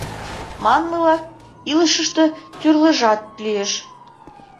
Манмыла, илышыште тӱрлыжат лиеш.